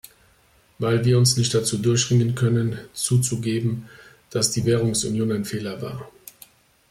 Weil wir uns nicht dazu durchringen können, zuzugeben, dass die Währungsunion ein Fehler war.